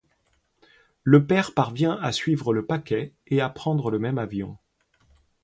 Le père parvient à suivre le paquet et à prendre le même avion.